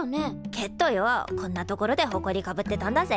けっどよこんな所でホコリかぶってたんだぜ？